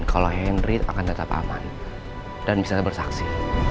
kita harus pastiin kalau hendry akan tetap aman dan bisa bersaksi